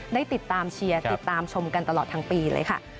ได้ติดตามเชียร์ติดตามชมกันตลอดทั้งปีเลยค่ะ